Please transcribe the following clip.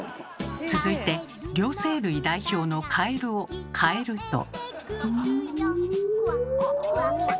続いて両生類代表のカエルをかえると。